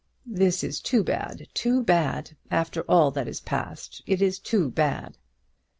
"This is too bad, too bad! After all that is past, it is too bad!"